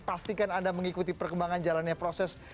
pastikan anda mengikuti perkembangan jalannya proses